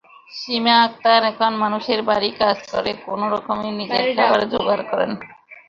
সীমা আক্তার এখন মানুষের বাড়ি কাজ করে কোনো রকমে নিজের খাবার জোগাড় করেন।